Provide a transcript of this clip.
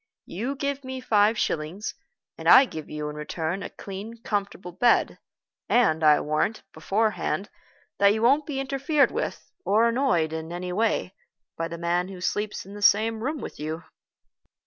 "You give me five shillings, and I give you in return a clean, comfortable bed; and I warrant, beforehand, that you won't be interfered with, or annoyed in anyway, by the man who sleeps in the same room with you."